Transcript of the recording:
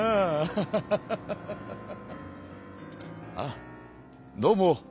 あどうも。